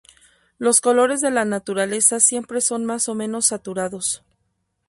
Los colores de la naturaleza siempre son más o menos saturados.